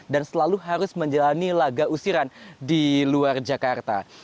dan selalu harus menjalani laga usiran di luar jakarta